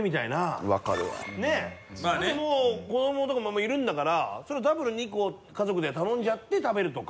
多分子供とかもいるんだからダブル２個家族で頼んじゃって食べるとか。